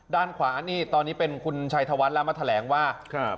ด้านขวานี่ตอนนี้เป็นคุณชัยธวัฒน์แล้วมาแถลงว่าครับ